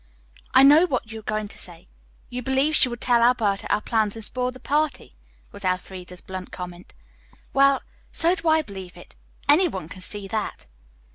"I know what you were going to say. You believe she would tell Alberta our plans and spoil the party," was Elfreda's blunt comment. "Well, so do I believe it. Any one can see that."